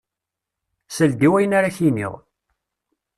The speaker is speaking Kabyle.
Sel-d i wayen ara k-niɣ.